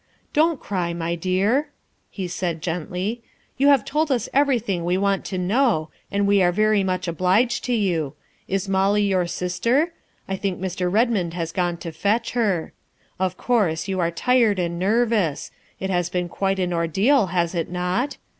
" Don't cry, my dear," he said gently, " you have 336 THE WIFE OF told us everything we want to know and we are very much obliged to you. Is Molly your sister ? I think Mr. Redmond has gone to fetch her. Of course, you are tired and nervous. It has been quite an ordeal, has it not